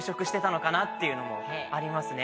っていうのもありますね。